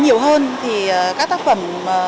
nhiều hơn thì các tác phẩm